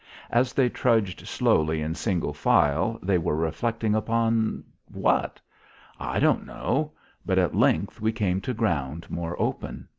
As they trudged slowly in single file they were reflecting upon what? I don't know. But at length we came to ground more open.